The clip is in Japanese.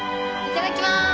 いただきます。